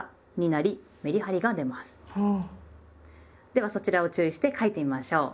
ではそちらを注意して書いてみましょう。